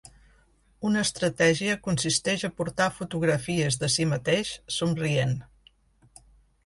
Una estratègia consisteix a portar fotografies de si mateix, somrient.